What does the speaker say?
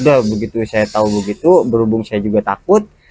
udah begitu saya tahu begitu berhubung saya juga takut